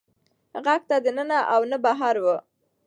غږ نه د ننه و او نه بهر و.